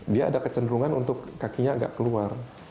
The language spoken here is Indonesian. dia ada kecenderungan untuk kakinya agak keluar